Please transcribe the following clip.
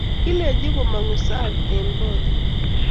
kilenji kimong'u sang' eng' kootnyin.